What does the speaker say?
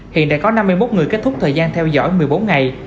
hiện đã có năm mươi một người kết thúc thời gian theo dõi một mươi bốn ngày